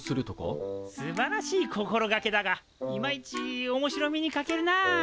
すばらしい心がけだがいまいちおもしろみにかけるな。